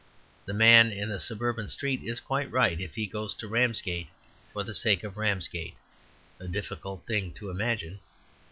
The man in the suburban street is quite right if he goes to Ramsgate for the sake of Ramsgate a difficult thing to imagine.